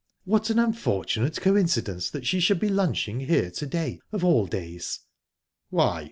"What an unfortunate coincidence that she should be lunching here to day, of all days." "Why?"